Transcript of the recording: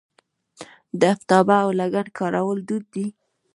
د افتابه او لګن کارول دود دی.